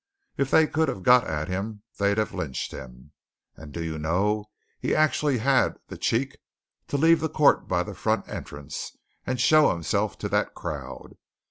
If they could have got at him, they'd have lynched him. And do you know, he actually had the cheek to leave the court by the front entrance, and show himself to that crowd!